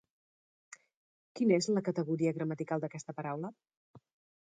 Quina és la categoria gramatical d'aquesta paraula?